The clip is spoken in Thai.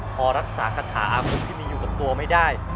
พอรักษาคาถาอาคมที่มีอยู่กับตัวไม่ได้